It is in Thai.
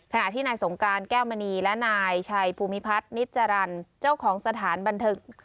ขณะที่นายสงการแก้วมณีและนายชัยภูมิพัฒนิจรรย์เจ้าของสถานบันทึก